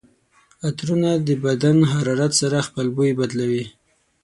عطرونه د بدن حرارت سره خپل بوی بدلوي.